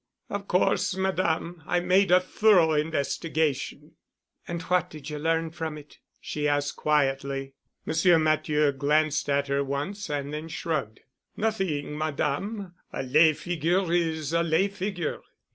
"Of course, Madame, I made a thorough investigation——" "And what did you learn from it?" she asked quietly. Monsieur Matthieu glanced at her once and then shrugged. "Nothing, Madame. A lay figure is a lay figure."